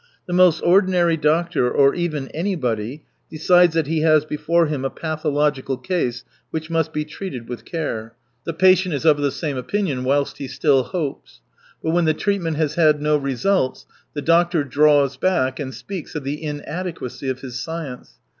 The most ordinary doctor, or even anybody, decides that he has before him a pathological case which must be treated with care. The patient is 212 of tKe same opinion, whilst he still hope's. But when the treatment has had no results, the doctor draws back and speaks of the inadequacy of his science.